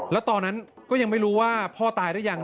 แล้วตอนนั้นก็ยังไม่รู้ว่าพ่อตายหรือยัง